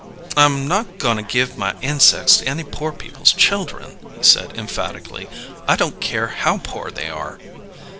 "I'm not goin' to give my insecks to any poor people's children," he said emphatically. "I don't care how poor they are!"